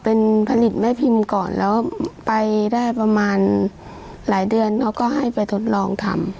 เป็นผลิตแม่พิมพ์ก่อนแล้วไปได้ประมาณหลายเดือนเขาก็ให้ไปทดลองทำ